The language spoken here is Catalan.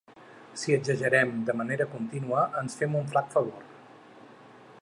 Si exagerem de manera contínua, ens fem un flac favor.